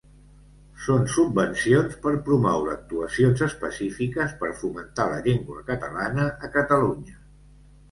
Són subvencions per promoure actuacions específiques per fomentar la llengua catalana a Catalunya.